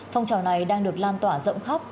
phong trò này đang được lan tỏa rộng khóc